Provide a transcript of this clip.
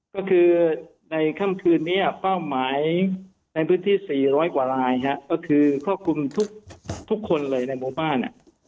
ก็คือในค่ำคืนนี้เป้าหมายในพื้นที่๔๐๐กว่าลายก็คือครอบคลุมทุกคนเลยในหมู่บ้าน